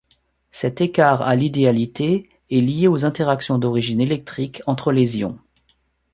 Cet écart à l'idéalité est lié aux interactions d'origine électrique entre les ions.